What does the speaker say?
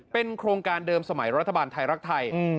เป็นโครงการเดิมสมัยรัฐบาลไทยรักไทย